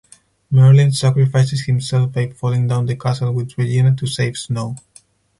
Merlin sacrifices himself by falling down the castle with Regina to save Snow.